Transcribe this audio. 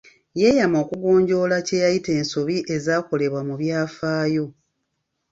Yeyama okugonjoola kye yayita ensobi ezaakolebwa mu byafaayo.